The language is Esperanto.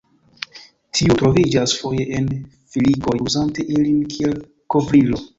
Tiu troviĝas foje en filikoj, uzante ilin kiel kovrilo.